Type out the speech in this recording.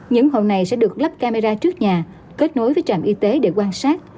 những hộ này sẽ được lắp camera trước nhà kết nối với trạm y tế để quan sát